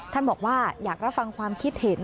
บอกว่าอยากรับฟังความคิดเห็น